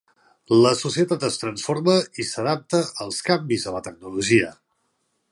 La societat es transforma i s'adapta als canvis a la tecnologia.